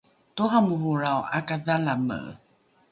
toramorolrao ’akadhalame